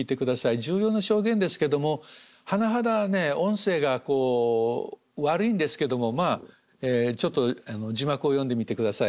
重要な証言ですけども甚だ音声がこう悪いんですけどもまあちょっと字幕を読んでみて下さい。